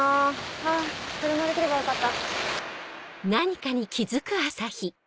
あぁ車で来ればよかった。